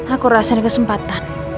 aku rasain kesempatan